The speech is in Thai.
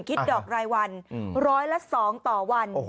คิดดอกรายวันร้อยละ๒ต่อวัน